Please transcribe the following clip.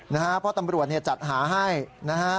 เพราะตำรวจจัดหาให้นะฮะ